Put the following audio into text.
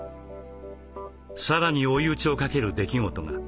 さらに追い打ちをかける出来事が。